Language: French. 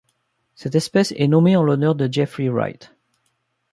Cette espèce est nommée en l'honneur de Jeffrey Wright.